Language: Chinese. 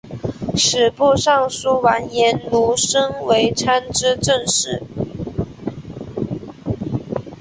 吏部尚书完颜奴申为参知政事。